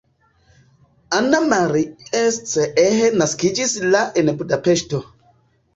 Anna Marie Cseh naskiĝis la en Budapeŝto.